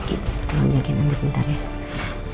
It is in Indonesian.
ibu tolong jagain andi sebentar ya